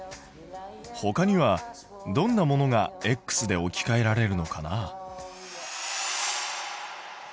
ほかにはどんなものがで置きかえられるのかな？